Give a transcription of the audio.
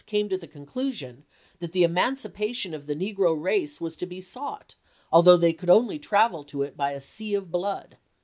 . came to the conclusion that the emancipation of the negro race was to be sought, although they could only travel to it by a sea of blood."